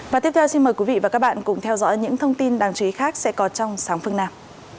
và tiếp theo xin mời quý vị và các bạn cùng theo dõi những thông tin đáng chú ý khác sẽ có trong sáng phương nam